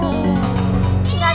ini nih yang tebal